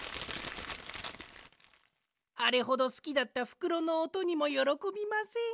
あれほどすきだったふくろのおとにもよろこびません。